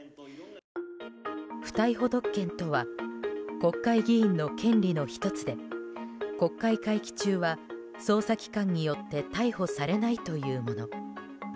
不逮捕特権とは国会議員の権利の１つで国会会期中は、捜査機関によって逮捕されないというもの。